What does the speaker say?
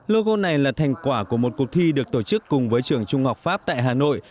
logo này là thành quả của một cuộc thi được tổ chức cùng với trường trung học pháp tại hà nội